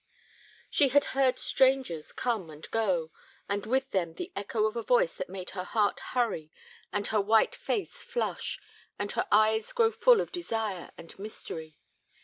She had heard strangers come and go, and with them the echo of a voice that made her heart hurry and her white face flush, and her eyes grow full of desire and mystery.